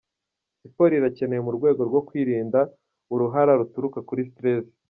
Siporo irakenewe mu rwego rwo kwirinda uruhara ruturuka kuri stress.